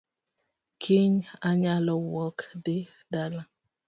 Kiny anyalo wuok dhi dala